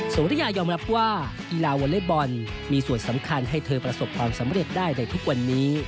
สุริยายอมรับว่ากีฬาวอเล็กบอลมีส่วนสำคัญให้เธอประสบความสำเร็จได้ในทุกวันนี้